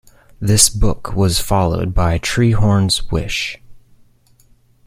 This book was followed by "Treehorn's Wish".